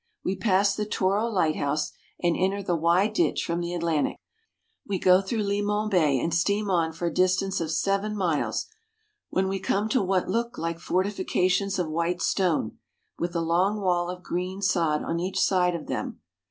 We pass the Tore Lighthouse and enter the wide ditch from the Atlantic. We go through Limon Bay and steam on for a distance of seven miles, when we come to what look Hke fortifications of white stone, with a long wall of green sod on each side of them.